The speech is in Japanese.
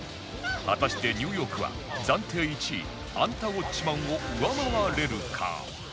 果たしてニューヨークは暫定１位『アンタウォッチマン！』を上回れるか？